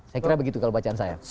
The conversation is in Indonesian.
saya kira begitu kalau bacaan saya